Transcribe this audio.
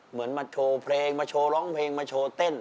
เหมือนมาโชว์เพลงมาโชว์ร้องเพลงมาโชว์เต้น